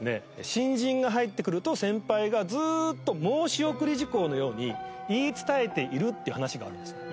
新人が入ってくると先輩がずーっと申し送り事項のように言い伝えているっていう話があるんです。